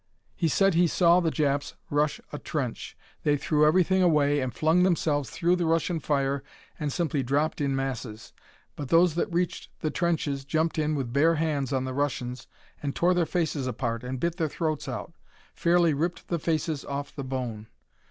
He said he saw the Japs rush a trench. They threw everything away and flung themselves through the Russian fire and simply dropped in masses. But those that reached the trenches jumped in with bare hands on the Russians and tore their faces apart and bit their throats out fairly ripped the faces off the bone.